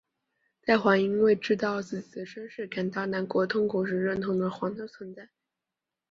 在煌因为知道自己的身世感到难过和痛苦时认同了煌的存在。